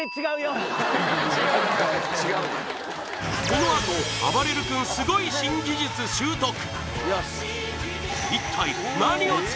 このあとあばれる君すごい新技術習得